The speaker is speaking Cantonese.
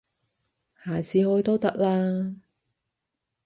下次開都得啦